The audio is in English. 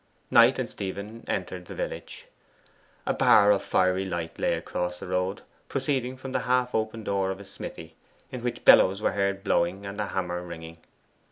Knight and Stephen entered the village. A bar of fiery light lay across the road, proceeding from the half open door of a smithy, in which bellows were heard blowing and a hammer ringing.